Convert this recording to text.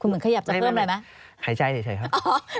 มันขยับจะเพิ่มอะไรไหมไม่หายใจได้ใช่ครับ